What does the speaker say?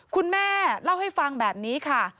คุณแม่เล่าให้ฟังแบบนี้ค่ะ